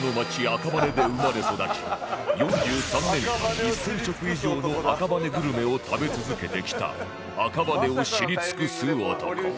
赤羽で生まれ育ち４３年間１０００食以上の赤羽グルメを食べ続けてきた赤羽を知り尽くす男